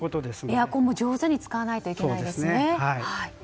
エアコンも上手に使わないといけないですね。